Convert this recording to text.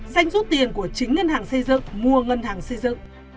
xanh rút tiền của chính ngân hàng xây dựng mua ngân hàng xây dựng